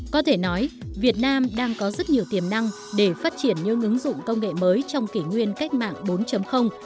có thể nói việt nam đang có rất nhiều tiềm năng để phát triển những ứng dụng công nghệ mới trong kỷ nguyên cách mạng bốn